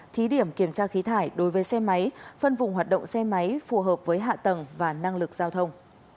thí điểm kiểm tra khí thải đối với xe máy phân vùng hoạt động xe máy phù hợp với hạ tầng và năng lực giao thông